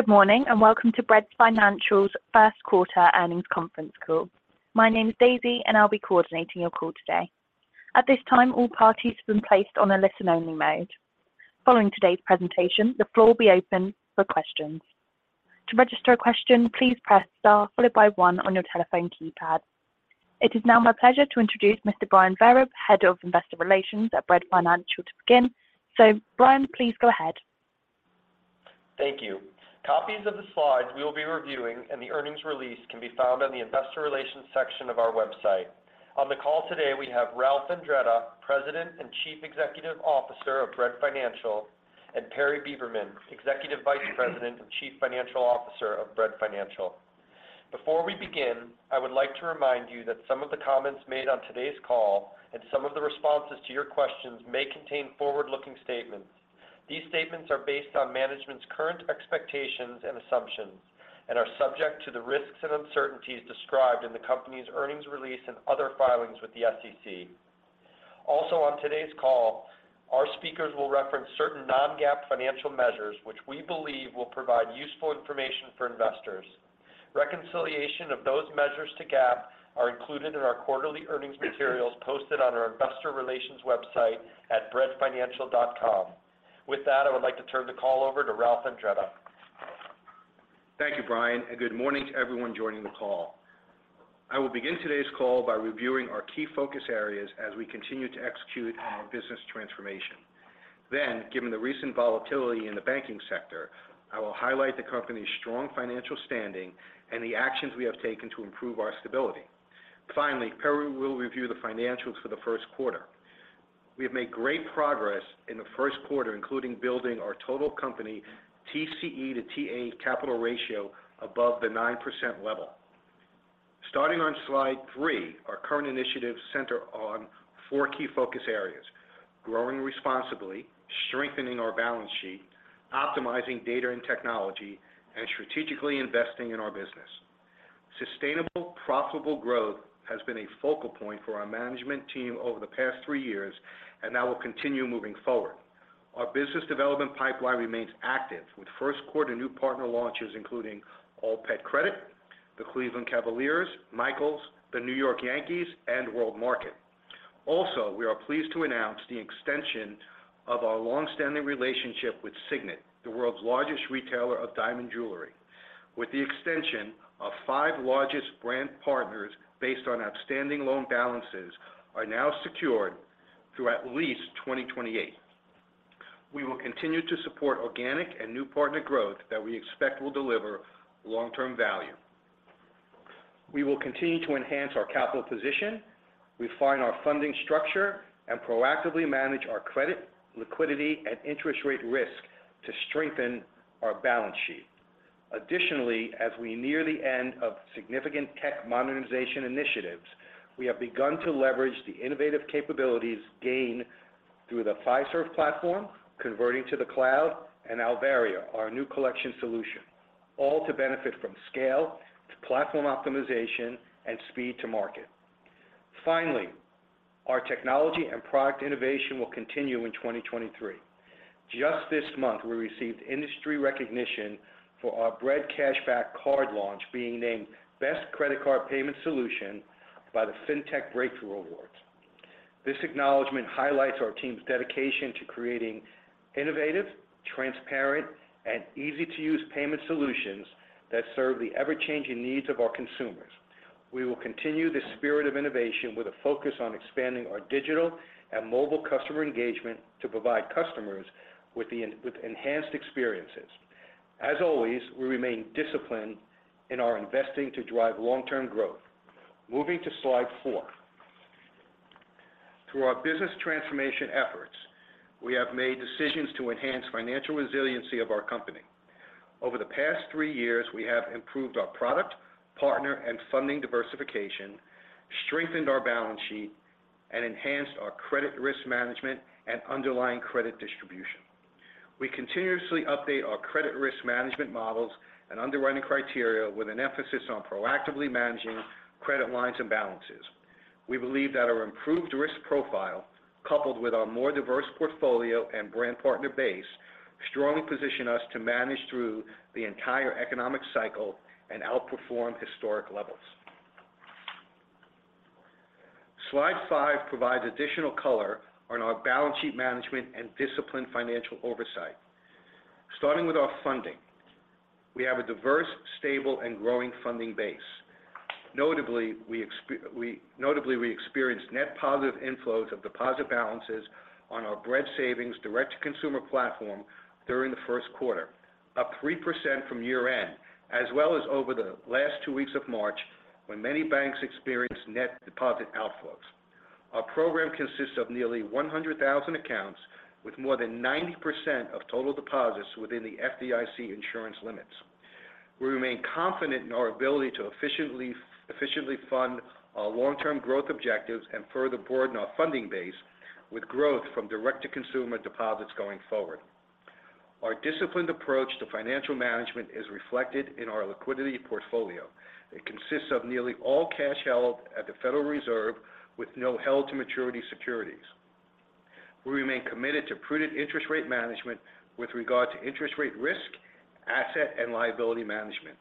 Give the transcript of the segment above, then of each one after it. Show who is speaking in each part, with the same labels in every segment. Speaker 1: Good morning, welcome to Bread Financial's first quarter earnings conference call. My name is Daisy. I'll be coordinating your call today. At this time, all parties have been placed on a listen-only mode. Following today's presentation, the floor will be open for questions. To register a question, please press star followed by one on your telephone keypad. It is now my pleasure to introduce Mr. Brian Vereb, Head of investor relations at Bread Financial to begin. Brian, please go ahead.
Speaker 2: Thank you. Copies of the slides we will be reviewing and the earnings release can be found on the investor relations section of our website. On the call today, we have Ralph Andretta, President and Chief Executive Officer of Bread Financial, and Perry Beberman, Executive Vice President and Chief Financial Officer of Bread Financial. Before we begin, I would like to remind you that some of the comments made on today's call and some of the responses to your questions may contain forward-looking statements. These statements are based on management's current expectations and assumptions and are subject to the risks and uncertainties described in the company's earnings release and other filings with the SEC. Also on today's call, our speakers will reference certain non-GAAP financial measures, which we believe will provide useful information for investors. Reconciliation of those measures to GAAP are included in our quarterly earnings materials posted on our investor relations website at breadfinancial.com. With that, I would like to turn the call over to Ralph Andretta.
Speaker 3: Thank you, Brian. Good morning to everyone joining the call. I will begin today's call by reviewing our key focus areas as we continue to execute our business transformation. Given the recent volatility in the banking sector, I will highlight the company's strong financial standing and the actions we have taken to improve our stability. Finally, Perry will review the financials for the first quarter. We have made great progress in the first quarter, including building our total company TCE to TA capital ratio above the 9% level. Starting on slide 3, our current initiatives center on four key focus areas, growing responsibly, strengthening our balance sheet, optimizing data and technology, and strategically investing in our business. Sustainable, profitable growth has been a focal point for our management team over the past 3 years and that will continue moving forward. Our business development pipeline remains active with first quarter new partner launches, including All Pet Card, the Cleveland Cavaliers, Michaels, the New York Yankees, and World Market. We are pleased to announce the extension of our long-standing relationship with Signet, the world's largest retailer of diamond jewelry. With the extension, our five largest brand partners based on outstanding loan balances are now secured through at least 2028. We will continue to support organic and new partner growth that we expect will deliver long-term value. We will continue to enhance our capital position, refine our funding structure, and proactively manage our credit, liquidity, and interest rate risk to strengthen our balance sheet. Additionally, as we near the end of significant tech modernization initiatives, we have begun to leverage the innovative capabilities gained through the Fiserv platform, converting to the cloud, and Alvaria, our new collection solution, all to benefit from scale to platform optimization and speed to market. Finally, our technology and product innovation will continue in 2023. Just this month, we received industry recognition for our Bread Cashback card launch being named Best Credit Card Payment Solution by the FinTech Breakthrough Awards. This acknowledgment highlights our team's dedication to creating innovative, transparent, and easy-to-use payment solutions that serve the ever-changing needs of our consumers. We will continue this spirit of innovation with a focus on expanding our digital and mobile customer engagement to provide customers with enhanced experiences. As always, we remain disciplined in our investing to drive long-term growth. Moving to slide 4. Through our business transformation efforts, we have made decisions to enhance financial resiliency of our company. Over the past three years, we have improved our product, partner, and funding diversification, strengthened our balance sheet, and enhanced our credit risk management and underlying credit distribution. We continuously update our credit risk management models and underwriting criteria with an emphasis on proactively managing credit lines and balances. We believe that our improved risk profile, coupled with our more diverse portfolio and brand partner base, strongly position us to manage through the entire economic cycle and outperform historic levels. Slide 5 provides additional color on our balance sheet management and disciplined financial oversight. Starting with our funding, we have a diverse, stable, and growing funding base. Notably, we experienced net positive inflows of deposit balances on our Bread Savings direct-to-consumer platform during the first quarter, up 3% from year-end, as well as over the last two weeks of March, when many banks experienced net deposit outflows. Our program consists of nearly 100,000 accounts with more than 90% of total deposits within the FDIC insurance limits. We remain confident in our ability to efficiently fund our long-term growth objectives and further broaden our funding base with growth from direct-to-consumer deposits going forward. Our disciplined approach to financial management is reflected in our liquidity portfolio. It consists of nearly all cash held at the Federal Reserve with no held to maturity securities. We remain committed to prudent interest rate management with regard to interest rate risk, asset, and liability management.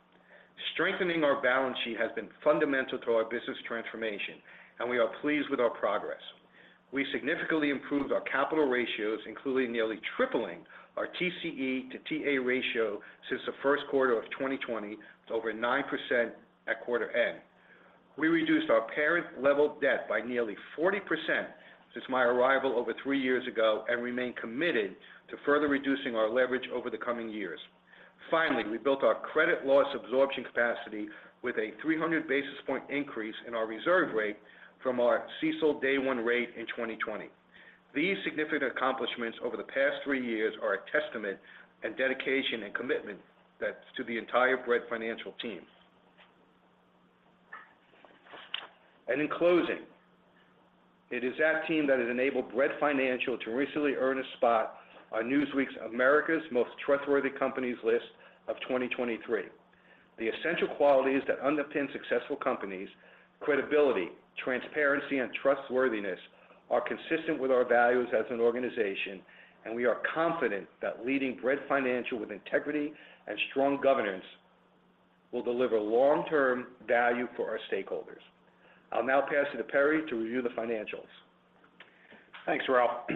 Speaker 3: Strengthening our balance sheet has been fundamental to our business transformation. We are pleased with our progress. We significantly improved our capital ratios, including nearly tripling our TCE to TA ratio since the first quarter of 2020 to over 9% at quarter end. We reduced our parent level debt by nearly 40% since my arrival over 3 years ago and remain committed to further reducing our leverage over the coming years. Finally, we built our credit loss absorption capacity with a 300 basis point increase in our reserve rate from our CECL day one rate in 2020. These significant accomplishments over the past 3 years are a testament and dedication and commitment that's to the entire Bread Financial team. In closing, it is that team that has enabled Bread Financial to recently earn a spot on Newsweek's America's Most Trustworthy Companies list of 2023. The essential qualities that underpin successful companies, credibility, transparency, and trustworthiness, are consistent with our values as an organization. We are confident that leading Bread Financial with integrity and strong governance will deliver long-term value for our stakeholders. I'll now pass it to Perry to review the financials.
Speaker 4: Thanks, Ralph.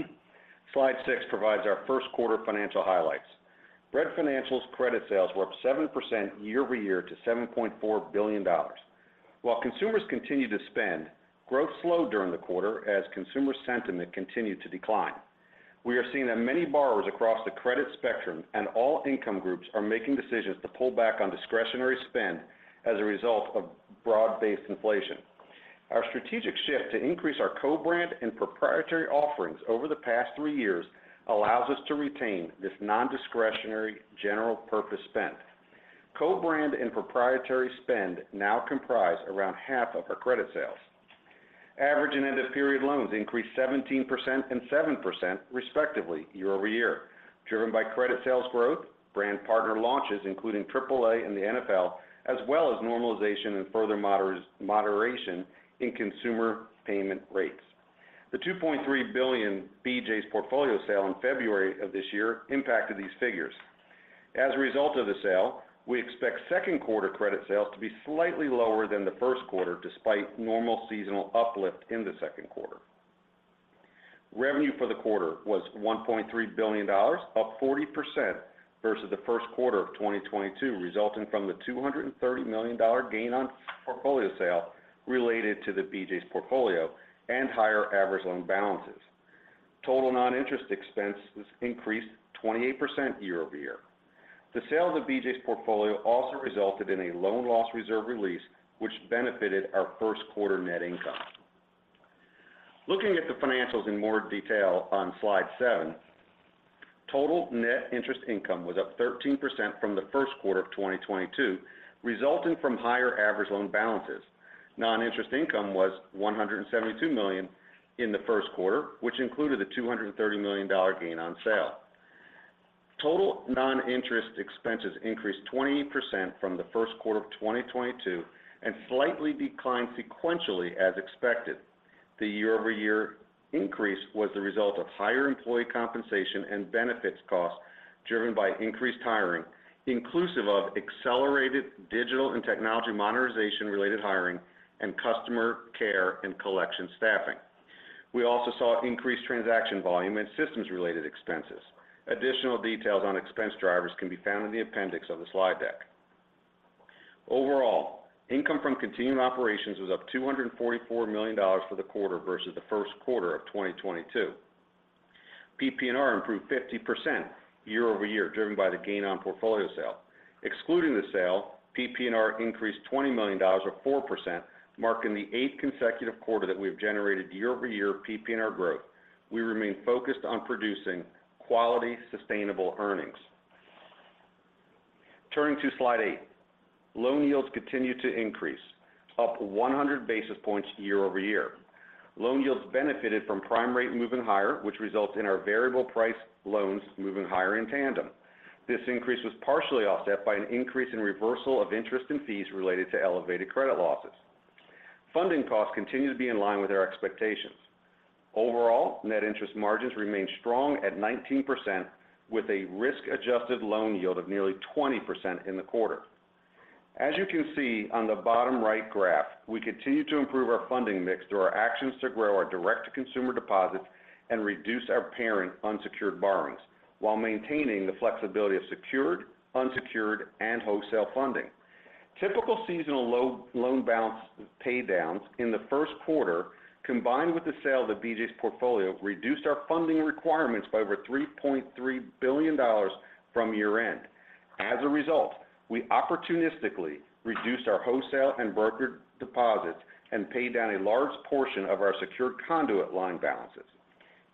Speaker 4: Slide 6 provides our first quarter financial highlights. Bread Financial's credit sales were up 7% year-over-year to $7.4 billion. While consumers continued to spend, growth slowed during the quarter as consumer sentiment continued to decline. We are seeing that many borrowers across the credit spectrum and all income groups are making decisions to pull back on discretionary spend as a result of broad-based inflation. Our strategic shift to increase our co-brand and proprietary offerings over the past 3 years allows us to retain this non-discretionary general purpose spend. Co-brand and proprietary spend now comprise around half of our credit sales. Average and end-of-period loans increased 17% and 7% respectively year-over-year. Driven by credit sales growth, brand partner launches including AAA and the NFL, as well as normalization and further moderation in consumer payment rates. The $2.3 billion BJ's portfolio sale in February of this year impacted these figures. As a result of the sale, we expect second quarter credit sales to be slightly lower than the first quarter despite normal seasonal uplift in the second quarter. Revenue for the quarter was $1.3 billion, up 40% versus the first quarter of 2022 resulting from the $230 million gain on portfolio sale related to the BJ's portfolio and higher average loan balances. Total non-interest expenses increased 28% year-over-year. The sale of the BJ's portfolio also resulted in a loan loss reserve release which benefited our first quarter net income. Looking at the financials in more detail on slide 7. Total net interest income was up 13% from the first quarter of 2022, resulting from higher average loan balances. Non-interest income was $172 million in the first quarter, which included the $230 million gain on sale. Total non-interest expenses increased 20% from the first quarter of 2022 and slightly declined sequentially as expected. The year-over-year increase was the result of higher employee compensation and benefits costs driven by increased hiring, inclusive of accelerated digital and technology modernization-related hiring and customer care and collection staffing. We also saw increased transaction volume and systems-related expenses. Additional details on expense drivers can be found in the appendix of the slide deck. Overall, income from continuing operations was up $244 million for the quarter versus the first quarter of 2022. PPNR improved 50% year-over-year, driven by the gain on portfolio sale. Excluding the sale, PPNR increased $20 million or 4%, marking the eighth consecutive quarter that we have generated year-over-year PPNR growth. We remain focused on producing quality, sustainable earnings. Turning to slide 8. Loan yields continued to increase, up 100 basis points year-over-year. Loan yields benefited from prime rate moving higher, which results in our variable price loans moving higher in tandem. This increase was partially offset by an increase in reversal of interest and fees related to elevated credit losses. Funding costs continue to be in line with our expectations. Overall, net interest margins remain strong at 19% with a risk-adjusted loan yield of nearly 20% in the quarter. As you can see on the bottom right graph, we continue to improve our funding mix through our actions to grow our direct-to-consumer deposits and reduce our parent unsecured borrowings while maintaining the flexibility of secured, unsecured, and wholesale funding. Typical seasonal low loan balance pay downs in the first quarter, combined with the sale of the BJ's portfolio, reduced our funding requirements by over $3.3 billion from year-end. As a result, we opportunistically reduced our wholesale and brokered deposits and paid down a large portion of our secured conduit line balances.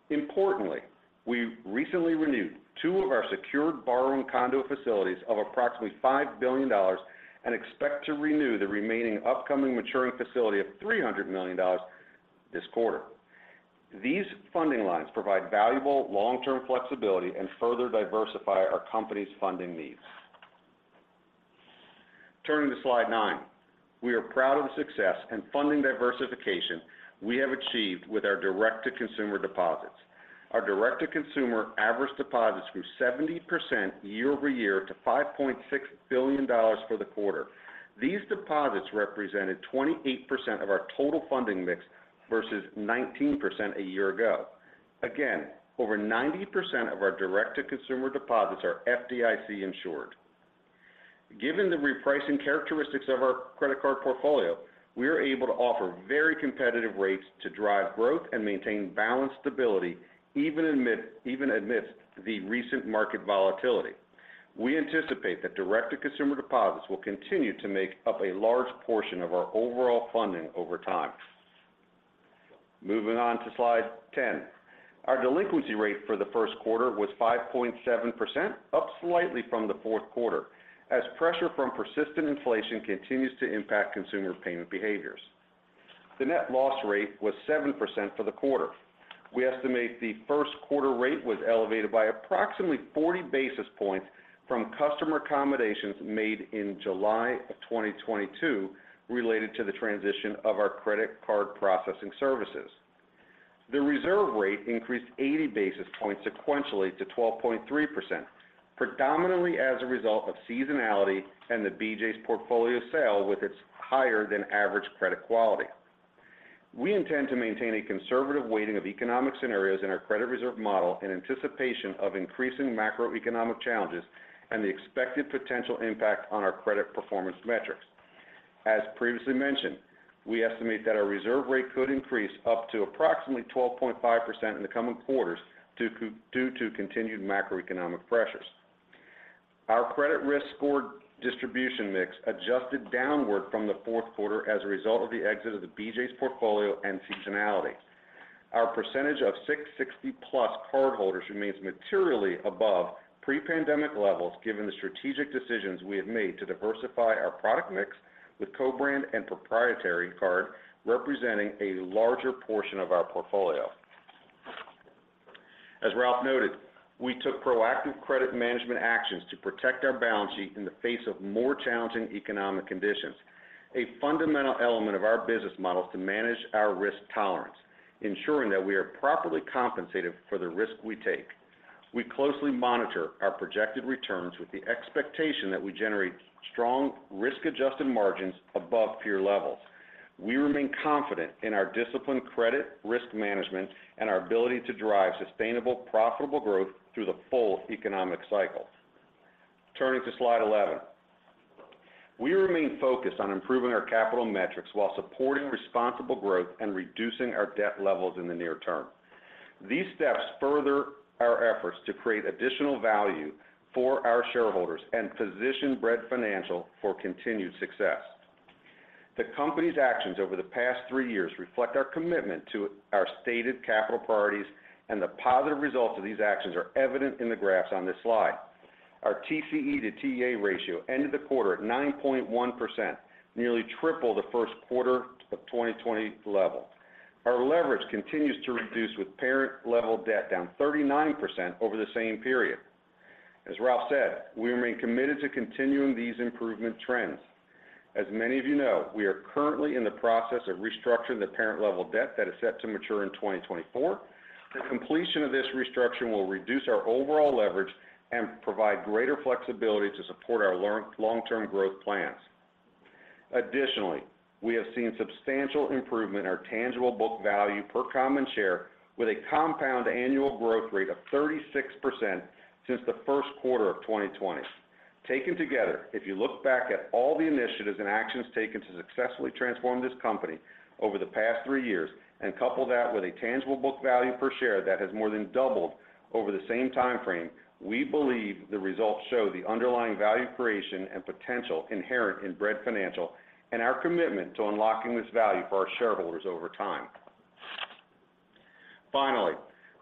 Speaker 4: Importantly, we recently renewed two of our secured borrowing conduit facilities of approximately $5 billion and expect to renew the remaining upcoming maturing facility of $300 million this quarter. These funding lines provide valuable long-term flexibility and further diversify our company's funding needs. Turning to slide 9. We are proud of the success and funding diversification we have achieved with our direct-to-consumer deposits. Our direct-to-consumer average deposits grew 70% year-over-year to $5.6 billion for the quarter. These deposits represented 28% of our total funding mix versus 19% a year ago. Over 90% of our direct-to-consumer deposits are FDIC-insured. Given the repricing characteristics of our credit card portfolio, we are able to offer very competitive rates to drive growth and maintain balance stability even amidst the recent market volatility. We anticipate that direct-to-consumer deposits will continue to make up a large portion of our overall funding over time. Moving on to slide 10. Our delinquency rate for the first quarter was 5.7%, up slightly from the fourth quarter, as pressure from persistent inflation continues to impact consumer payment behaviors. The net loss rate was 7% for the quarter. We estimate the first quarter rate was elevated by approximately 40 basis points from customer accommodations made in July of 2022 related to the transition of our credit card processing services. The reserve rate increased 80 basis points sequentially to 12.3%, predominantly as a result of seasonality and the BJ's portfolio sale with its higher than average credit quality. We intend to maintain a conservative weighting of economic scenarios in our credit reserve model in anticipation of increasing macroeconomic challenges and the expected potential impact on our credit performance metrics. As previously mentioned, we estimate that our reserve rate could increase up to approximately 12.5% in the coming quarters due to continued macroeconomic pressures. Our credit risk score distribution mix adjusted downward from the fourth quarter as a result of the exit of the BJ's portfolio and seasonality. Our percentage of 660-plus cardholders remains materially above pre-pandemic levels given the strategic decisions we have made to diversify our product mix with co-brand and proprietary card representing a larger portion of our portfolio. As Ralph noted, we took proactive credit management actions to protect our balance sheet in the face of more challenging economic conditions. A fundamental element of our business model is to manage our risk tolerance, ensuring that we are properly compensated for the risk we take. We closely monitor our projected returns with the expectation that we generate strong risk-adjusted margins above peer levels. We remain confident in our disciplined credit risk management and our ability to drive sustainable, profitable growth through the full economic cycle. Turning to slide 11. We remain focused on improving our capital metrics while supporting responsible growth and reducing our debt levels in the near term. These steps further our efforts to create additional value for our shareholders and position Bread Financial for continued success. The company's actions over the past three years reflect our commitment to our stated capital priorities, and the positive results of these actions are evident in the graphs on this slide. Our TCE to TA ratio ended the quarter at 9.1%, nearly triple the first quarter of 2020 level. Our leverage continues to reduce with parent level debt down 39% over the same period. As Ralph said, we remain committed to continuing these improvement trends. As many of you know, we are currently in the process of restructuring the parent level debt that is set to mature in 2024. The completion of this restructuring will reduce our overall leverage and provide greater flexibility to support our long-term growth plans. Additionally, we have seen substantial improvement in our tangible book value per common share with a compound annual growth rate of 36% since the first quarter of 2020. Taken together, if you look back at all the initiatives and actions taken to successfully transform this company over the past 3 years and couple that with a tangible book value per share that has more than doubled over the same time frame, we believe the results show the underlying value creation and potential inherent in Bread Financial and our commitment to unlocking this value for our shareholders over time. Finally,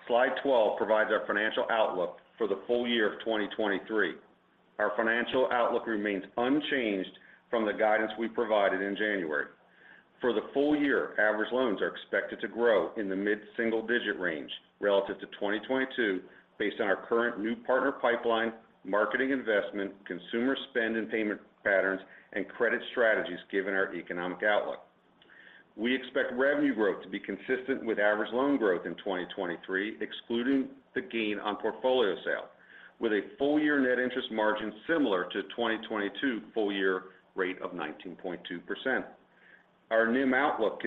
Speaker 4: slide 12 provides our financial outlook for the full year of 2023. Our financial outlook remains unchanged from the guidance we provided in January. For the full year, average loans are expected to grow in the mid-single digit range relative to 2022 based on our current new partner pipeline, marketing investment, consumer spend and payment patterns, and credit strategies given our economic outlook. We expect revenue growth to be consistent with average loan growth in 2023, excluding the gain on portfolio sale, with a full-year net interest margin similar to 2022 full-year rate of 19.2%. Our NIM outlook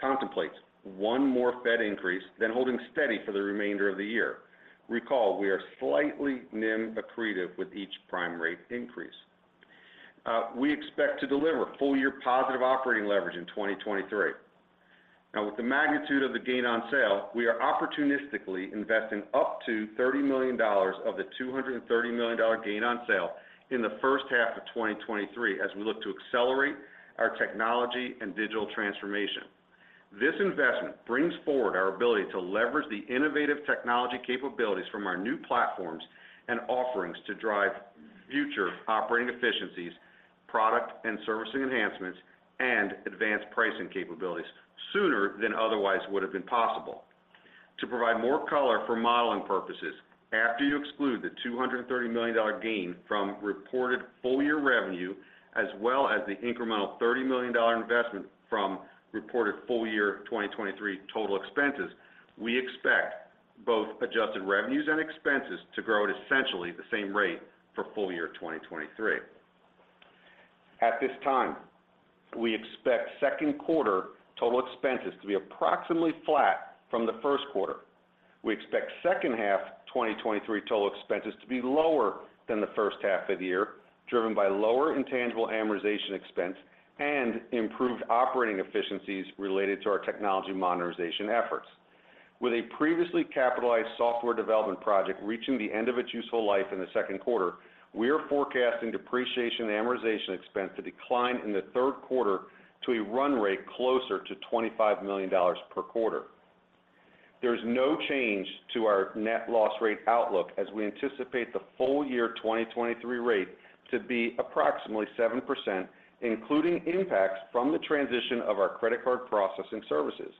Speaker 4: contemplates one more Fed increase, then holding steady for the remainder of the year. Recall, we are slightly NIM accretive with each prime rate increase. We expect to deliver full-year positive operating leverage in 2023. Now, with the magnitude of the gain on sale, we are opportunistically investing up to $30 million of the $230 million gain on sale in the first half of 2023 as we look to accelerate our technology and digital transformation. This investment brings forward our ability to leverage the innovative technology capabilities from our new platforms and offerings to drive future operating efficiencies, product and servicing enhancements, and advanced pricing capabilities sooner than otherwise would have been possible.
Speaker 3: To provide more color for modeling purposes, after you exclude the $230 million gain from reported full-year revenue, as well as the incremental $30 million investment from reported full-year 2023 total expenses, we expect both adjusted revenues and expenses to grow at essentially the same rate for full-year 2023.
Speaker 4: At this time, we expect second quarter total expenses to be approximately flat from the first quarter. We expect second half 2023 total expenses to be lower than the first half of the year, driven by lower intangible amortization expense and improved operating efficiencies related to our technology modernization efforts. With a previously capitalized software development project reaching the end of its useful life in the second quarter, we are forecasting depreciation amortization expense to decline in the third quarter to a run rate closer to $25 million per quarter. There is no change to our net loss rate outlook as we anticipate the full year 2023 rate to be approximately 7%, including impacts from the transition of our credit card processing services.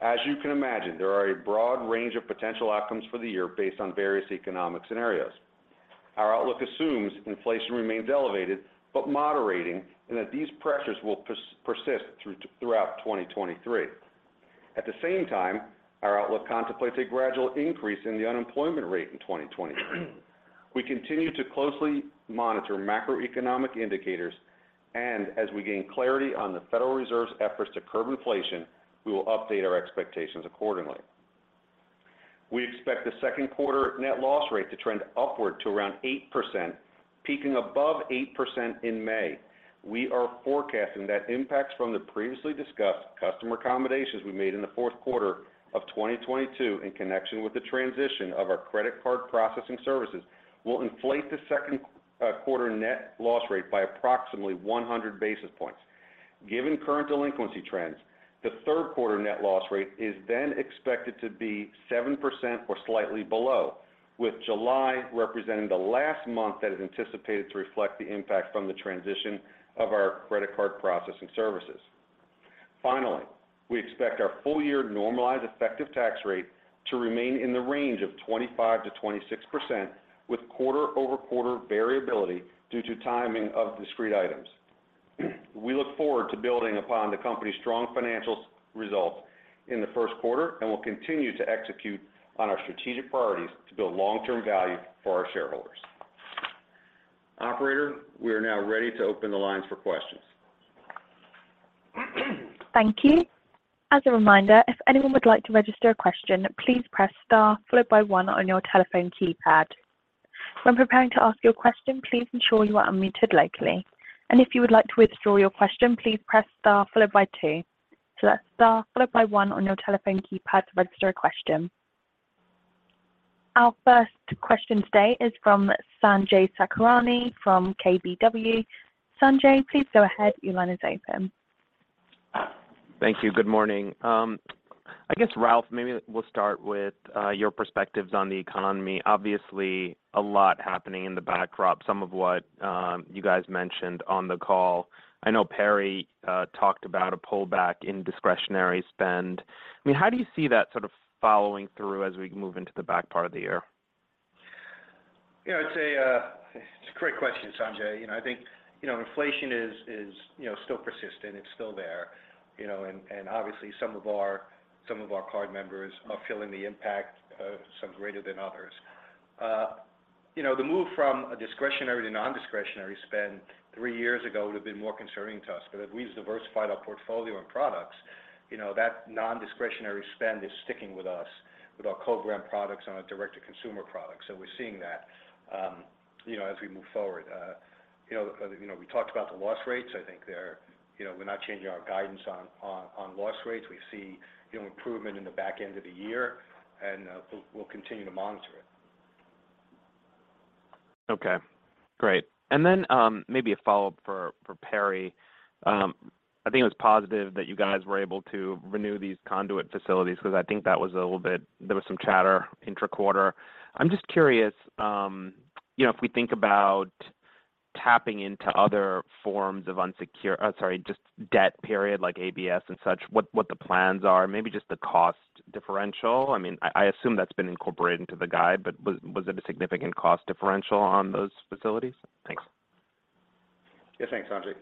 Speaker 4: As you can imagine, there are a broad range of potential outcomes for the year based on various economic scenarios. Our outlook assumes inflation remains elevated but moderating and that these pressures will persist throughout 2023. At the same time, our outlook contemplates a gradual increase in the unemployment rate in 2023. We continue to closely monitor macroeconomic indicators, and as we gain clarity on the Federal Reserve's efforts to curb inflation, we will update our expectations accordingly. We expect the second quarter net loss rate to trend upward to around 8%, peaking above 8% in May. We are forecasting that impacts from the previously discussed customer accommodations we made in the fourth quarter of 2022 in connection with the transition of our credit card processing services will inflate the second quarter net loss rate by approximately 100 basis points. Given current delinquency trends, the third quarter net loss rate is expected to be 7% or slightly below, with July representing the last month that is anticipated to reflect the impact from the transition of our credit card processing services. We expect our full-year normalized effective tax rate to remain in the range of 25%-26%, with quarter-over-quarter variability due to timing of discrete items. We look forward to building upon the company's strong financial results in the first quarter, we'll continue to execute on our strategic priorities to build long-term value for our shareholders. Operator, we are now ready to open the lines for questions.
Speaker 1: Thank you. As a reminder, if anyone would like to register a question, please press star followed by one on your telephone keypad. When preparing to ask your question, please ensure you are unmuted locally. If you would like to withdraw your question, please press star followed by two. That's star followed by one on your telephone keypad to register a question. Our first question today is from Sanjay Sakhrani from KBW. Sanjay, please go ahead. Your line is open.
Speaker 5: Thank you. Good morning. I guess, Ralph, maybe we'll start with your perspectives on the economy. Obviously, a lot happening in the backdrop, some of what you guys mentioned on the call. I know Perry talked about a pullback in discretionary spend. I mean, how do you see that sort of following through as we move into the back part of the year?
Speaker 3: It's a great question, Sanjay. You know, I think inflation is still persistent. It's still there, you know, and obviously some of our card members are feeling the impact, some greater than others. You know, the move from a discretionary to non-discretionary spend three years ago would have been more concerning to us. As we've diversified our portfolio and products, you know, that non-discretionary spend is sticking with us with our co-brand products and our direct-to-consumer products. We're seeing that, you know, as we move forward. You know, we talked about the loss rates. I think they're... You know, we're not changing our guidance on loss rates. We see, you know, improvement in the back end of the year, and we'll continue to monitor it.
Speaker 5: Okay. Great. Then, maybe a follow-up for Perry. I think it was positive that you guys were able to renew these conduit facilities because I think that was a little bit there was some chatter interquarter. I'm just curious, you know, if we think about tapping into other forms of sorry, just debt period like ABS and such, what the plans are, maybe just the cost differential? I mean, I assume that's been incorporated into the guide, was it a significant cost differential on those facilities? Thanks.
Speaker 4: Yeah. Thanks, Sanjay. Yeah.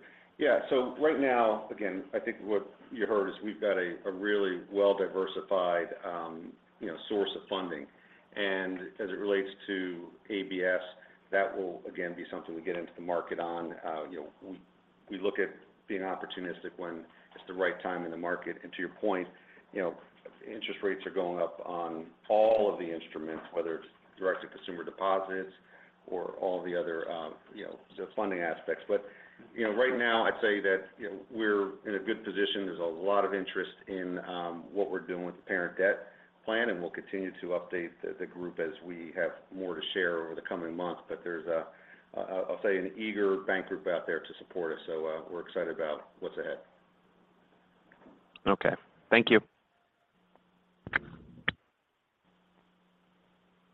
Speaker 4: Right now, again, I think what you heard is we've got a really well-diversified, you know, source of funding. As it relates to ABS, that will again be something we get into the market on. You know, we look at being opportunistic when it's the right time in the market. To your point, you know, interest rates are going up on all of the instruments, whether it's direct to consumer deposits or all the other, you know, funding aspects. Right now I'd say that, you know, we're in a good position. There's a lot of interest in what we're doing with the parent debt plan, and we'll continue to update the group as we have more to share over the coming months. There's a, I'll say an eager bank group out there to support us, so we're excited about what's ahead.
Speaker 5: Okay. Thank you.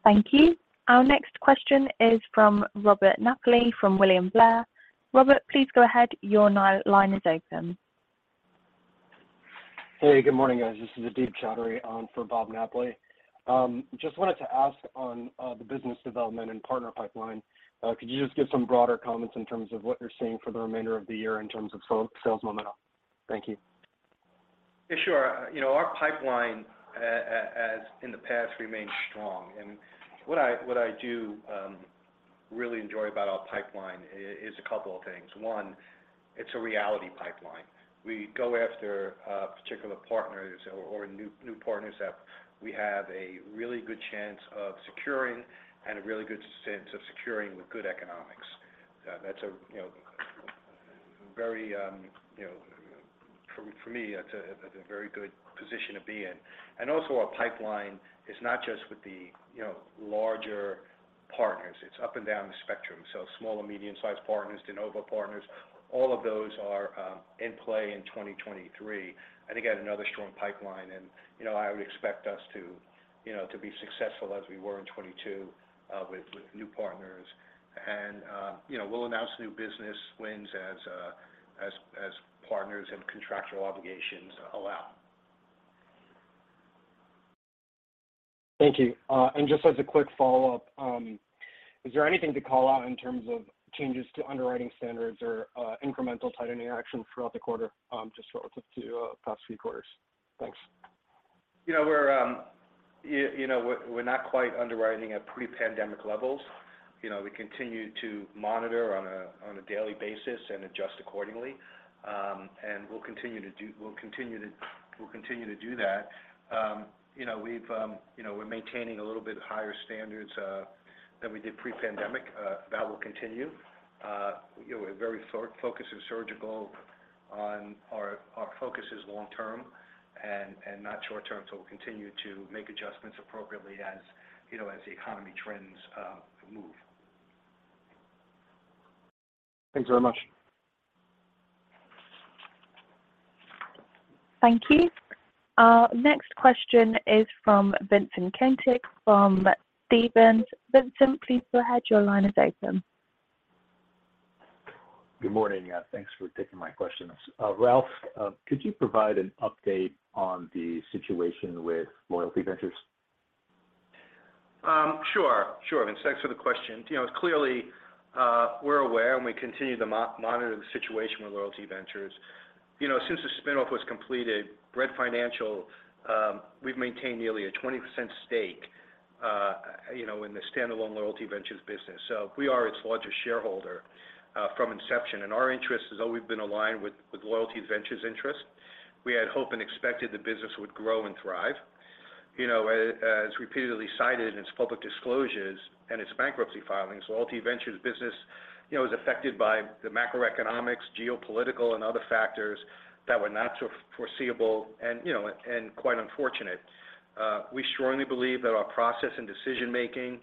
Speaker 1: Thank you. Our next question is from Robert Napoli from William Blair. Robert, please go ahead. Your line is open.
Speaker 6: Hey, good morning, guys. This is Adib Choudhury, for Bob Napoli. Just wanted to ask on the business development and partner pipeline. Could you just give some broader comments in terms of what you're seeing for the remainder of the year in terms of sales momentum? Thank you.
Speaker 3: Yeah, sure. You know, our pipeline as in the past remains strong. What I do really enjoy about our pipeline is a couple of things. One, it's a reality pipeline. We go after particular partners or new partners that we have a really good chance of securing and a really good chance of securing with good economics. That's a, you know, very, you know, for me, that's a very good position to be in. Also our pipeline is not just with the, you know, larger partners. It's up and down the spectrum. Small and medium-sized partners, de novo partners, all of those are in play in 2023. I think I had another strong pipeline and, you know, I would expect us to, you know, to be successful as we were in 2022, with new partners. You know, we'll announce new business wins as partners and contractual obligations allow.
Speaker 6: Thank you. Just as a quick follow-up, is there anything to call out in terms of changes to underwriting standards or incremental tightening action throughout the quarter, just relative to past few quarters? Thanks.
Speaker 3: You know, we're, you know, we're not quite underwriting at pre-pandemic levels. You know, we continue to monitor on a daily basis and adjust accordingly. We'll continue to do that. You know, we've, you know, we're maintaining a little bit higher standards than we did pre-pandemic. That will continue. You know, we're very focused and surgical on our focus is long term and not short term. We'll continue to make adjustments appropriately as, you know, as the economy trends move.
Speaker 6: Thanks very much.
Speaker 1: Thank you. Our next question is from Vincent Caintic from BTIG. Vincent, please go ahead. Your line is open.
Speaker 7: Good morning. Thanks for taking my questions. Ralph, could you provide an update on the situation with Loyalty Ventures?
Speaker 3: Sure. Sure. Thanks for the question. You know, clearly, we're aware and we continue to monitor the situation with Loyalty Ventures. You know, since the spin-off was completed, Bread Financial, we've maintained nearly a 20% stake, you know, in the standalone Loyalty Ventures business. We are its largest shareholder from inception, and our interest has always been aligned with Loyalty Ventures interest. We had hoped and expected the business would grow and thrive. You know, as repeatedly cited in its public disclosures and its bankruptcy filings, Loyalty Ventures business, you know, is affected by the macroeconomics, geopolitical, and other factors that were not so foreseeable and quite unfortunate. We strongly believe that our process and decision-making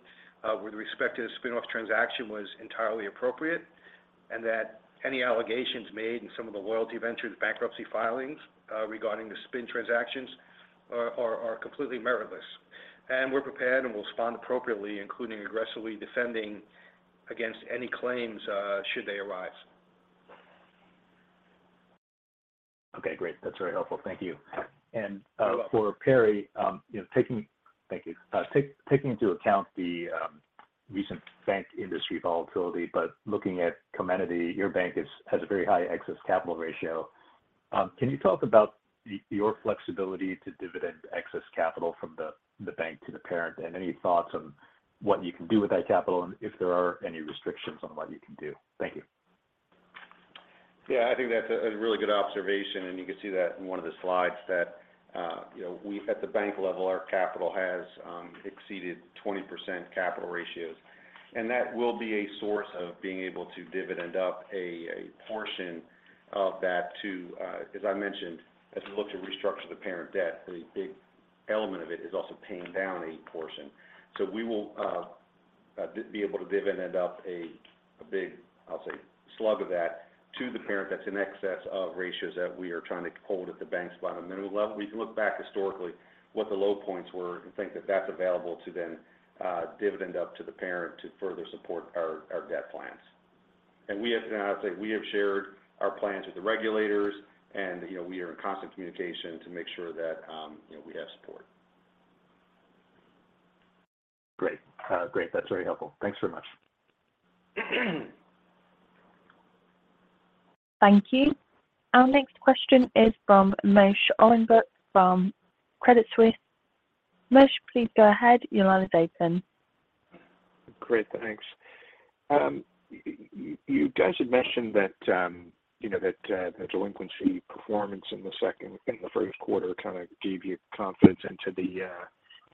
Speaker 3: with respect to the spin-off transaction was entirely appropriate and that any allegations made in some of the Loyalty Ventures bankruptcy filings regarding the spin transactions are completely meritless. We're prepared and will respond appropriately, including aggressively defending against any claims should they arise.
Speaker 7: Okay, great. That's very helpful. Thank you.
Speaker 3: You're welcome.
Speaker 7: For Perry Beberman, you know, thank you. Taking into account the recent bank industry volatility, but looking at Comenity, your bank has a very high excess capital ratio. Can you talk about your flexibility to dividend excess capital from the bank to the parent? Any thoughts on what you can do with that capital and if there are any restrictions on what you can do. Thank you.
Speaker 4: Yeah. I think that's a really good observation, and you can see that in one of the slides that, you know, we at the bank level, our capital has exceeded 20% capital ratios. That will be a source of being able to dividend up a portion of that to, as I mentioned, as we look to restructure the parent debt, a big element of it is also paying down a portion. We will be able to dividend up a big, I'll say, slug of that to the parent that's in excess of ratios that we are trying to hold at the bank's bottom. We can look back historically what the low points were and think that that's available to then dividend up to the parent to further support our debt plans.
Speaker 3: I'd say we have shared our plans with the regulators and, you know, we are in constant communication to make sure that, you know, we have support.
Speaker 7: Great. Great. That's very helpful. Thanks very much.
Speaker 1: Thank you. Our next question is from Moshe Orenbuch from Credit Suisse. Moshe, please go ahead. Your line is open.
Speaker 8: Great. Thanks. You guys had mentioned that, you know, that the delinquency performance in the first quarter kind of gave you confidence into the,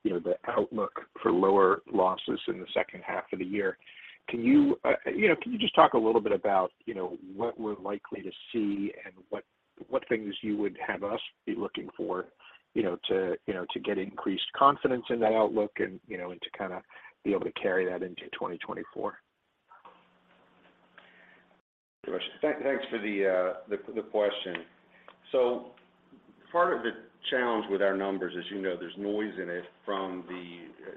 Speaker 8: you know, the outlook for lower losses in the second half of the year. Can you know, can you just talk a little bit about, you know, what we're likely to see and what things you would have us be looking for, you know, to get increased confidence in that outlook and to kind of be able to carry that into 2024?
Speaker 3: Thanks for the question. Part of the challenge with our numbers is, you know, there's noise in it from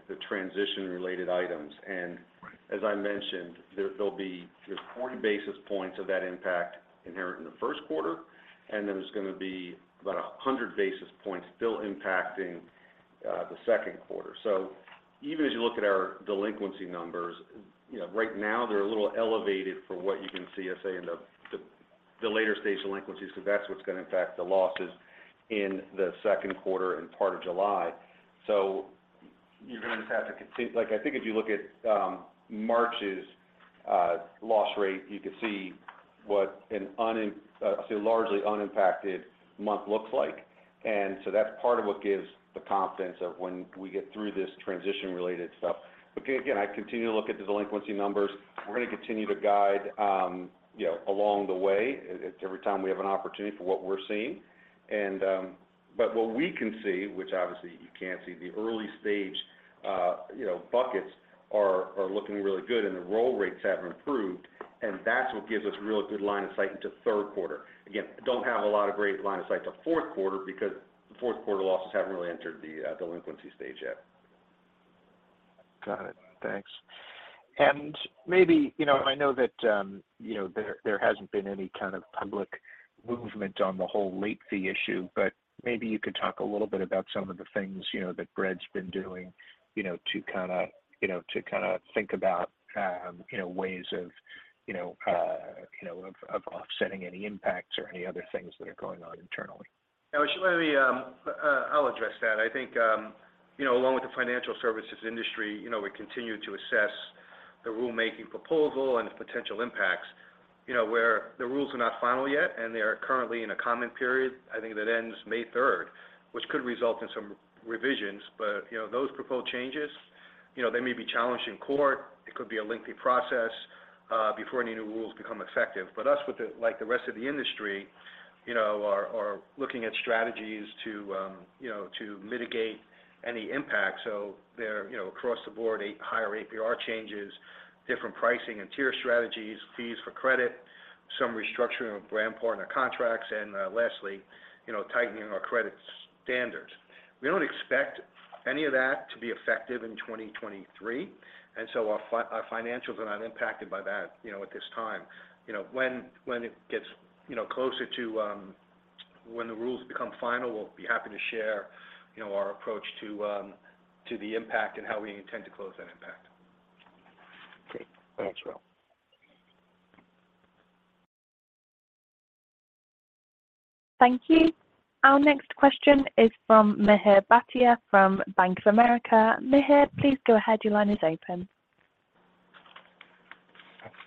Speaker 3: the transition-related items. As I mentioned, there'll be just 40 basis points of that impact inherent in the first quarter, and then there's gonna be about 100 basis points still impacting the second quarter. Even as you look at our delinquency numbers, you know, right now they're a little elevated for what you can see, let's say in the later stage delinquencies, because that's what's going to impact the losses in the second quarter and part of July. You're gonna just have to continue. Like, I think if you look at March's loss rate, you could see what a largely unimpacted month looks like. That's part of what gives the confidence of when we get through this transition-related stuff. Again, I continue to look at the delinquency numbers. We're gonna continue to guide, you know, along the way every time we have an opportunity for what we're seeing. What we can see, which obviously you can't see, the early stage, you know, buckets are looking really good and the roll rates have improved, and that's what gives us really good line of sight into third quarter. Don't have a lot of great line of sight to fourth quarter because the fourth quarter losses haven't really entered the delinquency stage yet.
Speaker 8: Got it. Thanks. Maybe, you know, I know that, you know, there hasn't been any kind of public movement on the whole late fee issue, but maybe you could talk a little bit about some of the things, you know, that Bread's been doing, you know, to kind of think about, you know, ways of, you know, offsetting any impacts or any other things that are going on internally.
Speaker 3: Let me address that. I think, you know, along with the financial services industry, you know, we continue to assess the rulemaking proposal and the potential impacts. You know, where the rules are not final yet, and they are currently in a comment period, I think that ends May 3rd, which could result in some revisions. Those proposed changes, you know, they may be challenged in court. It could be a lengthy process before any new rules become effective. Us like the rest of the industry, you know, are looking at strategies to, you know, to mitigate any impact. They're, you know, across the board, a higher APR changes, different pricing and tier strategies, fees for credit, some restructuring of brand partner contracts, and, lastly, you know, tightening our credit standards. We don't expect any of that to be effective in 2023, and so our financials are not impacted by that, you know, at this time. You know, when it gets, you know, closer to, when the rules become final, we'll be happy to share, you know, our approach to the impact and how we intend to close that impact.
Speaker 8: Great. Thanks, Ralph.
Speaker 1: Thank you. Our next question is from Mihir Bhatia from Bank of America. Mihir, please go ahead. Your line is open.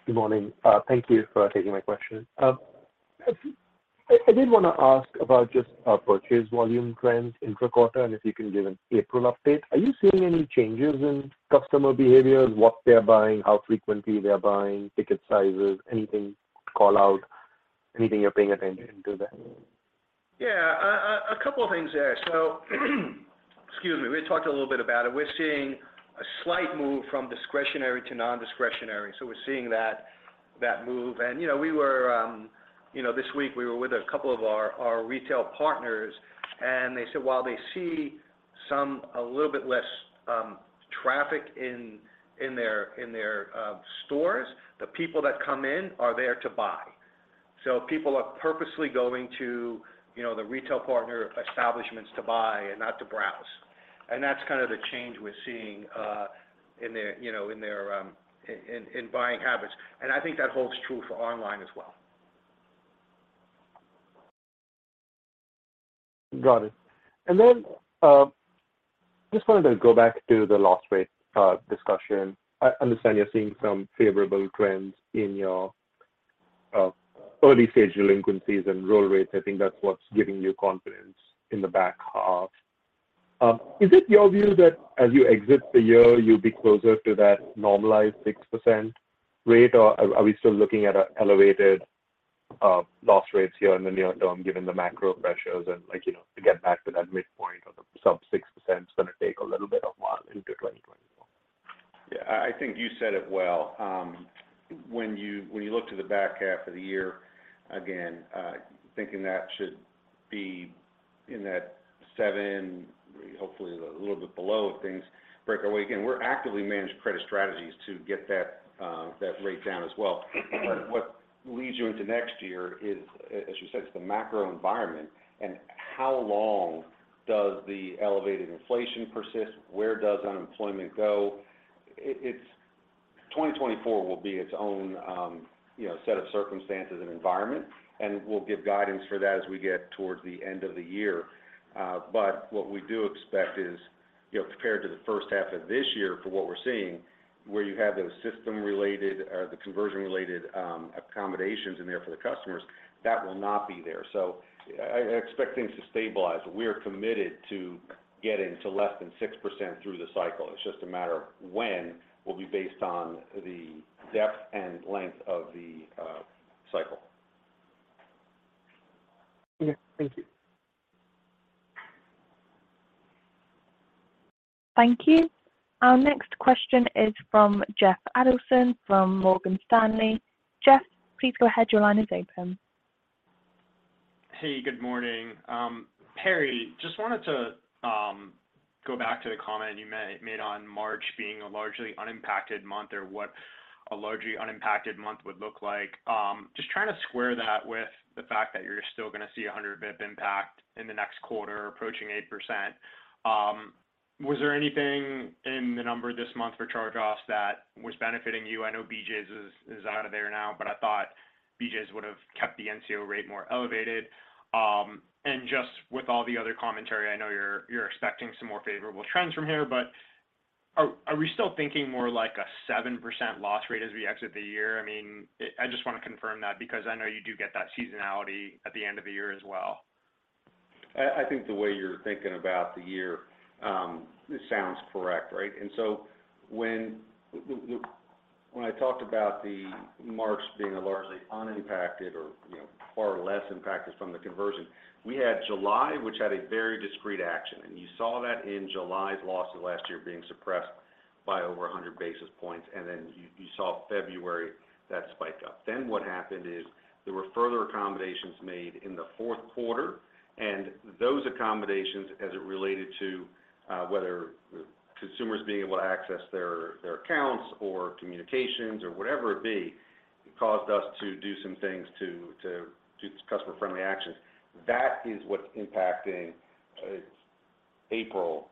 Speaker 9: Good morning. Thank you for taking my question. I did want to ask about just our purchase volume trends intra-quarter, and if you can give an April update. Are you seeing any changes in customer behavior, what they're buying, how frequently they're buying, ticket sizes, anything call out, anything you're paying attention to there?
Speaker 3: Yeah. A couple of things there. Excuse me. We talked a little bit about it. We're seeing a slight move from discretionary to non-discretionary. We're seeing that move. You know, this week we were with a couple of our retail partners, and they said while they see some a little bit less traffic in their stores, the people that come in are there to buy. People are purposely going to, you know, the retail partner establishments to buy and not to browse. That's kind of the change we're seeing in their, you know, in their buying habits. I think that holds true for online as well.
Speaker 9: Got it. Then, just wanted to go back to the loss rate discussion. I understand you're seeing some favorable trends in your early stage delinquencies and roll rates. I think that's what's giving you confidence in the back half. Is it your view that as you exit the year, you'll be closer to that normalized 6% rate, or are we still looking at an elevated loss rates here in the near term, given the macro pressures and, like, you know, to get back to that midpoint of the sub 6%, it's gonna take a little bit of while into 2024?
Speaker 3: Yeah. I think you said it well. When you look to the back half of the year, again, thinking that should be in that 7%, hopefully a little bit below if things break our way. Again, we're actively managed credit strategies to get that rate down as well. What leads you into next year is, as you said, it's the macro environment and how long does the elevated inflation persist? Where does unemployment go? 2024 will be its own, you know, set of circumstances and environment, and we'll give guidance for that as we get towards the end of the year. What we do expect is, you know, compared to the first half of this year for what we're seeing, where you have those system-related or the conversion-related, accommodations in there for the customers, that will not be there. I expect things to stabilize. We are committed to getting to less than 6% through the cycle. It's just a matter of when will be based on the depth and length of the cycle.
Speaker 9: Yeah. Thank you.
Speaker 1: Thank you. Our next question is from Jeffrey Adelson from Morgan Stanley. Jeff, please go ahead. Your line is open.
Speaker 10: Hey, good morning. Perry, just wanted to go back to the comment you made on March being a largely unimpacted month or what a largely unimpacted month would look like. Just trying to square that with the fact that you're still gonna see 100 basis points impact in the next quarter approaching 8%. Was there anything in the number this month for charge-offs that was benefiting you? I know BJ's is out of there now, but I thought BJ's would've kept the NCO rate more elevated. Just with all the other commentary, I know you're expecting some more favorable trends from here, but are we still thinking more like a 7% loss rate as we exit the year? I mean, I just wanna confirm that because I know you do get that seasonality at the end of the year as well.
Speaker 4: I think the way you're thinking about the year sounds correct, right? When I talked about the March being a largely unimpacted or, you know, far less impacted from the conversion, we had July, which had a very discrete action. You saw that in July's losses last year being suppressed by over 100 basis points. You saw February, that spike up. What happened is there were further accommodations made in the fourth quarter, and those accommodations as it related to whether consumers being able to access their accounts or communications or whatever it be, caused us to do some things to customer friendly actions. That is what's impacting April,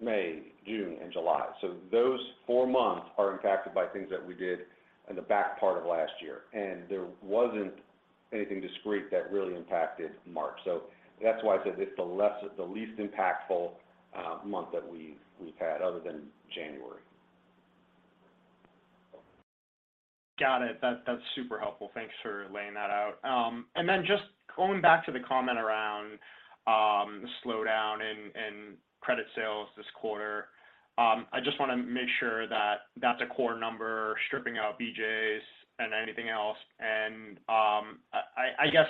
Speaker 4: May, June and July. Those four months are impacted by things that we did in the back part of last year. There wasn't anything discrete that really impacted March. That's why I said it's the least impactful month that we've had other than January.
Speaker 10: Got it. That's super helpful. Thanks for laying that out. Then just going back to the comment around slowdown in credit sales this quarter, I just wanna make sure that that's a core number stripping out BJ's and anything else. I guess,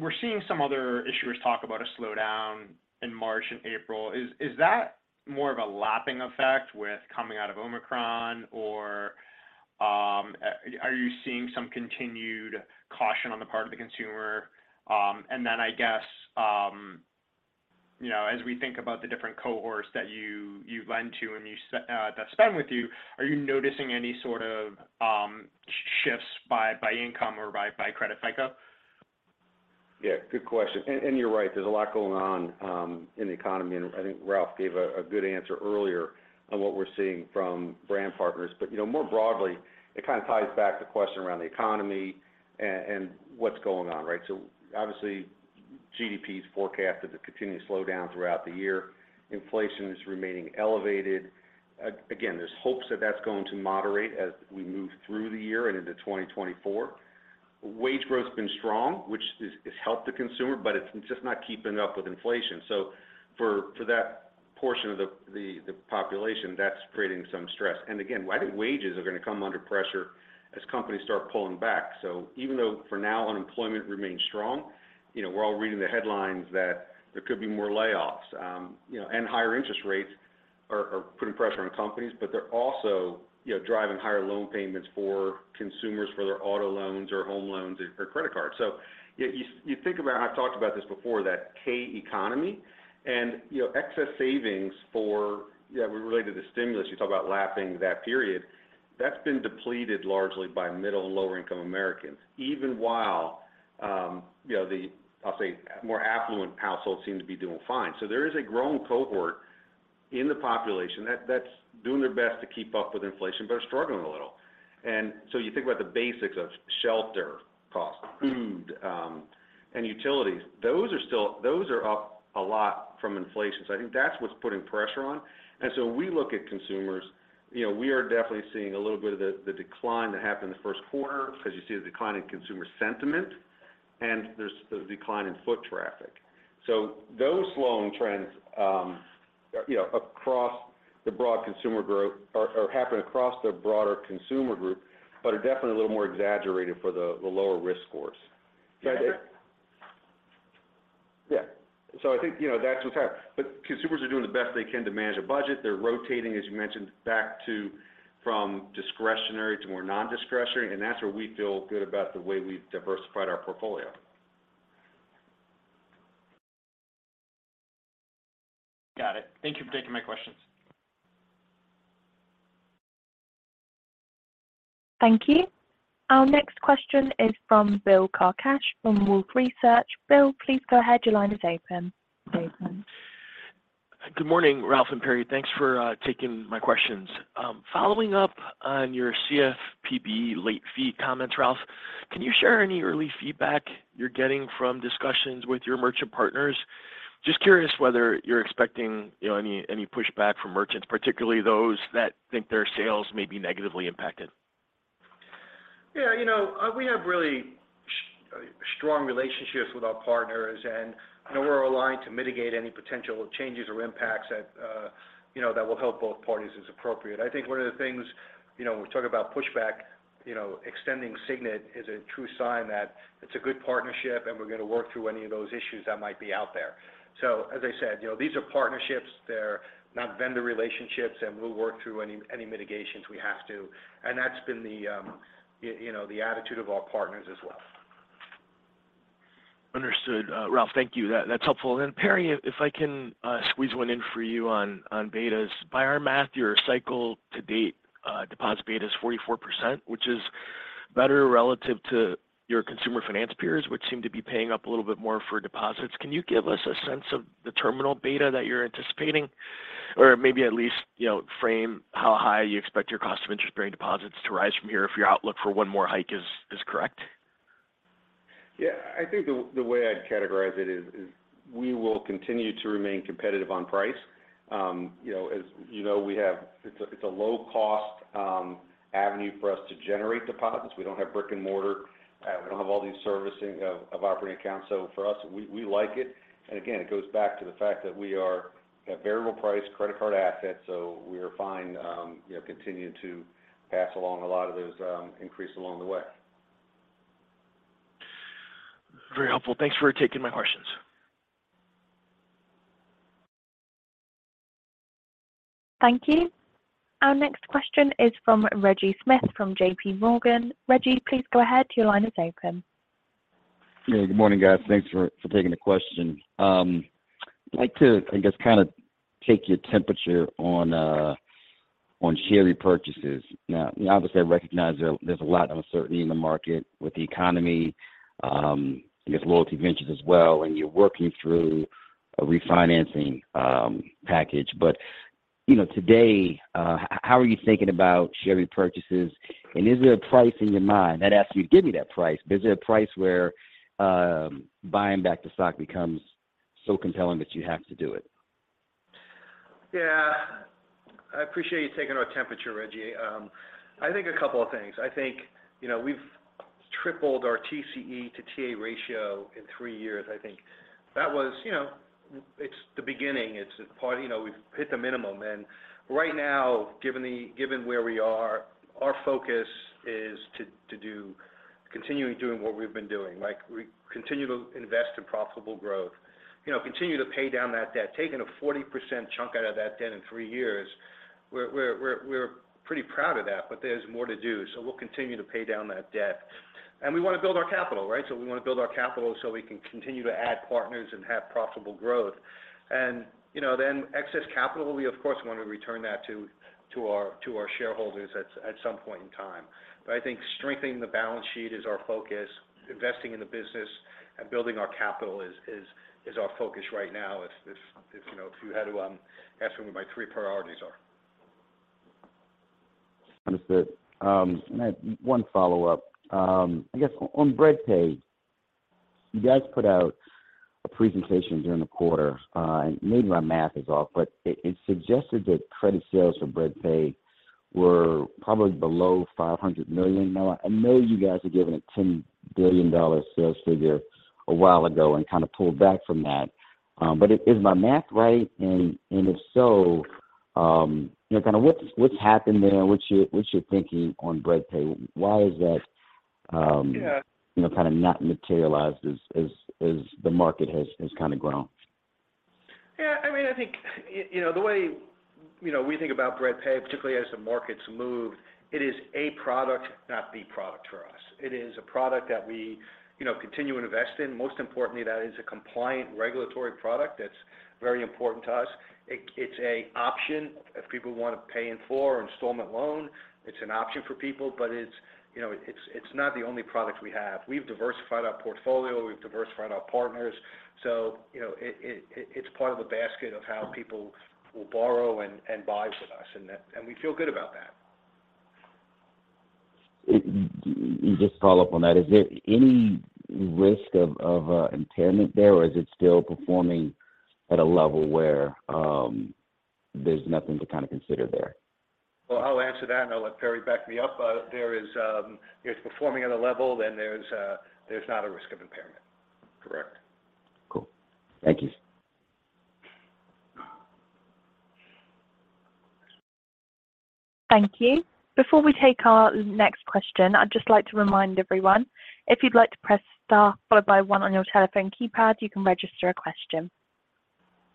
Speaker 10: we're seeing some other issuers talk about a slowdown in March and April. Is that more of a lapping effect with coming out of Omicron or are you seeing some continued caution on the part of the consumer? Then I guess, you know, as we think about the different cohorts that you lend to and you that spend with you, are you noticing any sort of shifts by income or by credit FICO?
Speaker 4: Yeah, good question. You're right. There's a lot going on in the economy, and I think Ralph gave a good answer earlier on what we're seeing from brand partners. You know, more broadly, it kind of ties back to question around the economy and what's going on, right? Obviously, GDP's forecast is a continuous slowdown throughout the year. Inflation is remaining elevated. Again, there's hopes that that's going to moderate as we move through the year and into 2024. Wage growth's been strong, which is helped the consumer, but it's just not keeping up with inflation. For that portion of the population, that's creating some stress. Again, I think wages are gonna come under pressure as companies start pulling back. Even though for now unemployment remains strong, you know, we're all reading the headlines that there could be more layoffs. You know, and higher interest rates are putting pressure on companies, but they're also, you know, driving higher loan payments for consumers for their auto loans or home loans or credit cards. You think about, I've talked about this before, that K-economy and, you know, excess savings for related to stimulus. You talk about lapping that period. That's been depleted largely by middle and lower income Americans, even while, you know, the, I'll say more affluent households seem to be doing fine. There is a growing cohort in the population that's doing their best to keep up with inflation, but are struggling a little. You think about the basics of shelter costs, food, and utilities. Those are up a lot from inflation. I think that's what's putting pressure on. We look at consumers, you know, we are definitely seeing a little bit of the decline that happened in the first quarter as you see the decline in consumer sentiment, and there's the decline in foot traffic. Those slowing trends, you know, across the broad consumer growth are happening across the broader consumer group, but are definitely a little more exaggerated for the lower risk scores.
Speaker 10: Gotcha.
Speaker 4: Yeah. I think, you know, that's what's happening. Consumers are doing the best they can to manage a budget. They're rotating, as you mentioned, back to, from discretionary to more non-discretionary. That's where we feel good about the way we've diversified our portfolio.
Speaker 10: Got it. Thank you for taking my questions.
Speaker 1: Thank you. Our next question is from Bill Carcache from Wolfe Research. Bill, please go ahead. Your line is open.
Speaker 11: Good morning, Ralph and Perry. Thanks for taking my questions. Following up on your CFPB late fee comments, Ralph, can you share any early feedback you're getting from discussions with your merchant partners? Just curious whether you're expecting, you know, any pushback from merchants, particularly those that think their sales may be negatively impacted.
Speaker 3: Yeah. You know, we have really strong relationships with our partners. You know, we're aligned to mitigate any potential changes or impacts that, you know, that will help both parties as appropriate. I think one of the things, you know, we talk about pushback. You know, extending Signet is a true sign that it's a good partnership, and we're gonna work through any of those issues that might be out there. As I said, you know, these are partnerships. They're not vendor relationships, and we'll work through any mitigations we have to, and that's been the, you know, the attitude of our partners as well.
Speaker 11: Understood. Ralph, thank you. That, that's helpful. Then Perry, if I can squeeze 1 in for you on betas. By our math, your cycle to date, deposit beta's 44%, which is better relative to your consumer finance peers, which seem to be paying up a little bit more for deposits. Can you give us a sense of the terminal beta that you're anticipating? Or maybe at least, you know, frame how high you expect your cost of interest-bearing deposits to rise from here if your outlook for one more hike is correct?
Speaker 4: Yeah. I think the way I'd categorize it is we will continue to remain competitive on price. You know, as you know, it's a low-cost avenue for us to generate deposits. We don't have brick-and-mortar. We don't have all these servicing of operating accounts. For us, we like it. Again, it goes back to the fact that we are a variable price credit card asset. We are fine, you know, continuing to pass along a lot of those increases along the way.
Speaker 11: Very helpful. Thanks for taking my questions.
Speaker 1: Thank you. Our next question is from Reggie Smith from JPMorgan. Reggie, please go ahead. Your line is open.
Speaker 12: Yeah. Good morning, guys. Thanks for taking the question. I'd like to, I guess, kind of take your temperature on share repurchases. Obviously I recognize there's a lot of uncertainty in the market with the economy, I guess Loyalty Ventures as well, and you're working through a refinancing package. You know, today, how are you thinking about share repurchases, and is there a price in your mind? Not asking you to give me that price, but is there a price where buying back the stock becomes so compelling that you have to do it?
Speaker 3: Yeah. I appreciate you taking our temperature, Reggie. I think a couple of things. I think, you know, we've tripled our TCE to TA ratio in 3 years, I think. That was, you know, it's the beginning. You know, we've hit the minimum. Right now, given where we are, our focus is to continue doing what we've been doing. Like, we continue to invest in profitable growth. You know, continue to pay down that debt. Taking a 40% chunk out of that debt in 3 years, we're pretty proud of that, but there's more to do. We'll continue to pay down that debt. We want to build our capital, right? We want to build our capital so we can continue to add partners and have profitable growth. You know, then excess capital, we of course want to return that to our shareholders at some point in time. I think strengthening the balance sheet is our focus. Investing in the business and building our capital is our focus right now if, you know, if you had to ask me what my three priorities are.
Speaker 12: Understood. I have one follow-up. I guess on Bread Pay, you guys put out a presentation during the quarter. Maybe my math is off, but it suggested that credit sales for Bread Pay were probably below $500 million now. I know you guys had given a $10 billion sales figure a while ago and kind of pulled back from that. Is my math right? If so, you know, what's happened there? What's your thinking on Bread Pay? Why is that?
Speaker 3: Yeah
Speaker 12: You know, kind of not materialized as the market has kind of grown?
Speaker 3: Yeah. I mean, I think, you know, the way, you know, we think about Bread Pay, particularly as the market's moved, it is a product, not the product for us. It is a product that we, you know, continue to invest in. Most importantly, that is a compliant regulatory product. That's very important to us. It's a option if people want to pay in full or installment loan. It's an option for people, but it's, you know, it's not the only product we have. We've diversified our portfolio. We've diversified our partners. you know, it's part of a basket of how people will borrow and buy from us, and that... We feel good about that.
Speaker 12: Just to follow up on that, is there any risk of impairment there, or is it still performing at a level where there's nothing to kind of consider there?
Speaker 3: Well, I'll answer that and I'll let Perry back me up. It's performing at a level, and there's not a risk of impairment.
Speaker 6: Correct.
Speaker 12: Cool. Thank you.
Speaker 1: Thank you. Before we take our next question, I'd just like to remind everyone, if you'd like to press star followed by one on your telephone keypad, you can register a question.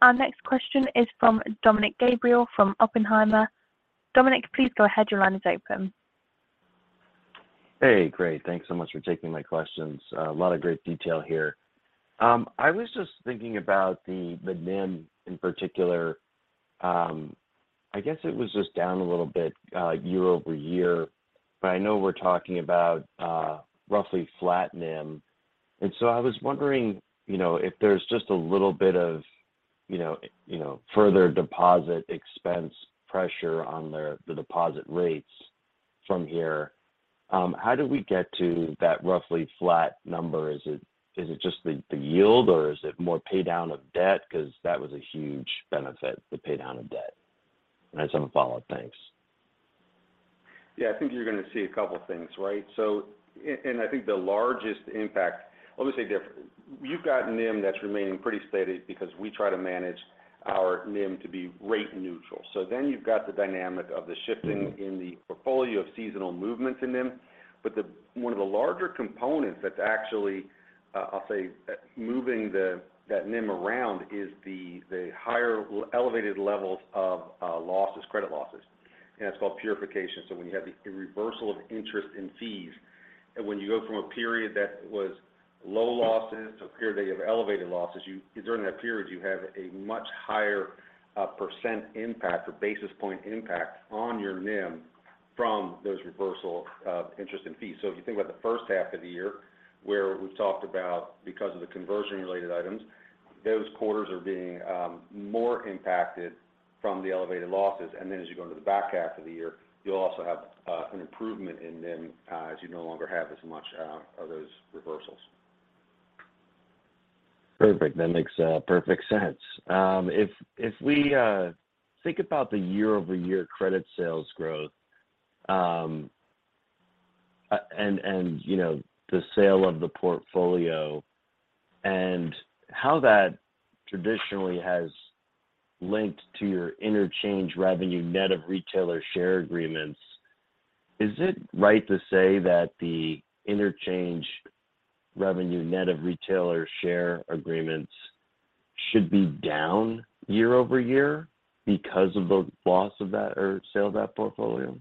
Speaker 1: Our next question is from Dominick Gabriele from Oppenheimer. Dominic, please go ahead. Your line is open.
Speaker 13: Hey. Great. Thanks so much for taking my questions. A lot of great detail here. I was just thinking about the NIM in particular. I guess it was just down a little bit year-over-year. I know we're talking about roughly flat NIM. I was wondering, you know, if there's just a little bit of, you know, further deposit expense pressure on the deposit rates from here, how do we get to that roughly flat number? Is it just the yield or is it more pay down of debt? Because that was a huge benefit, the pay down of debt. I just have a follow-up. Thanks.
Speaker 3: Yeah. I think you're gonna see a couple things, right? And I think the largest impact, let me say different. You've got NIM that's remaining pretty steady because we try to manage
Speaker 4: Our NIM to be rate neutral. You've got the dynamic of the shifting in the portfolio of seasonal movements in NIM. One of the larger components that's actually, I'll say, moving that NIM around is the elevated levels of losses, credit losses, and it's called purification. When you have the reversal of interest in fees, and when you go from a period that was low losses to a period that you have elevated losses, you, during that period, have a much higher % impact or basis point impact on your NIM from those reversal of interest and fees. If you think about the first half of the year, where we've talked about because of the conversion-related items, those quarters are being more impacted from the elevated losses. As you go into the back half of the year, you'll also have an improvement in NIM, as you no longer have as much of those reversals.
Speaker 13: Perfect. That makes perfect sense. If we think about the year-over-year credit sales growth, and, you know, the sale of the portfolio and how that traditionally has linked to your interchange revenue net of retailer share agreements, is it right to say that the interchange revenue net of retailer share agreements should be down year-over-year because of the loss of that or sale of that portfolio?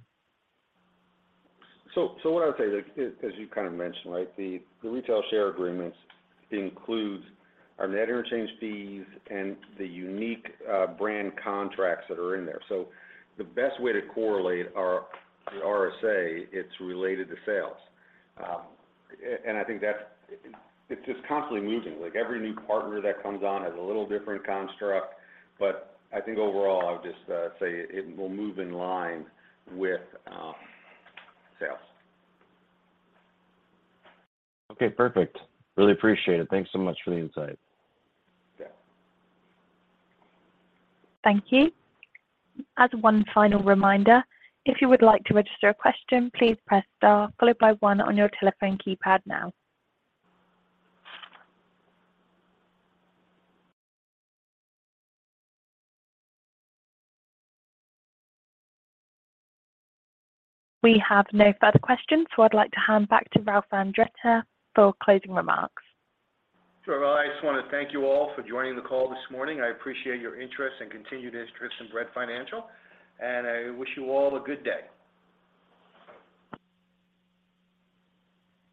Speaker 4: What I would say is, as you kind of mentioned, right, the retail share agreements includes our net interchange fees and the unique brand contracts that are in there. The best way to correlate our RSA, it's related to sales. And I think that's it's just constantly moving. Like, every new partner that comes on has a little different construct. I think overall, I would just say it will move in line with sales.
Speaker 13: Okay, perfect. Really appreciate it. Thanks so much for the insight.
Speaker 4: Yeah.
Speaker 1: Thank you. As one final reminder, if you would like to register a question, please press star followed by one on your telephone keypad now. We have no further questions, so I'd like to hand back to Ralph Andretta for closing remarks.
Speaker 3: Sure. I just want to thank you all for joining the call this morning. I appreciate your interest and continued interest in Bread Financial, and I wish you all a good day.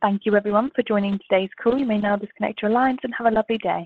Speaker 1: Thank you everyone for joining today's call. You may now disconnect your lines and have a lovely day.